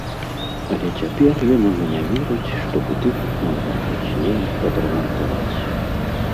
Але цяпер ён ужо не верыць, што будынак можна хоць неяк адрамантаваць.